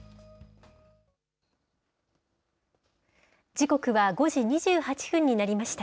時刻は５時２８分になりました。